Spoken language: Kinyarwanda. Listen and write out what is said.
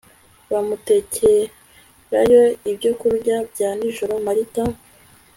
Bamutekerayo ibyokurya bya nijoro Marita